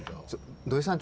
土井さん